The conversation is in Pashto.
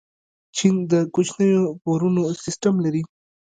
چین د کوچنیو پورونو سیسټم لري.